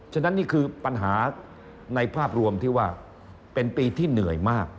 ฉะนั้นนี่คือปัญหาในภาพรวมที่ว่าเป็นปีที่เหนื่อยมาก